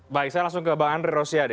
baik saya langsung ke bang andre rosiade